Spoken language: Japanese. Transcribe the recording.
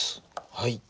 はい。